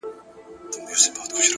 هر منزل د نوې موخې پیل ګرځي.!